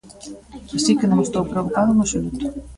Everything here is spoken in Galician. Así que non estou preocupado en absoluto.